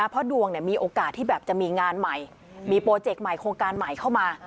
เพราะดวงมีโอกาสที่แบบจะมีงานใหม่มีโปรเจกต์ใหม่โครงการใหม่เข้ามา